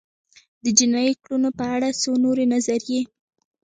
د جنایي کړنو په اړه څو نورې نظریې